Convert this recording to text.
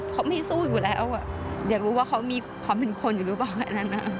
เขาไม่สู้อยู่แล้วอยากรู้ว่าเขามีความเป็นคนอยู่หรือเปล่าอันนั้น